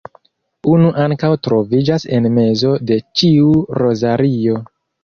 Unu ankaŭ troviĝas en mezo de ĉiu rozario.